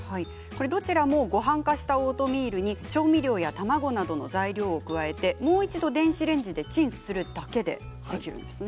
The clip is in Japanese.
どちらもごはん化したオートミールに調味料や卵などの材料を加えてもう一度電子レンジでチンするだけでできるんですね。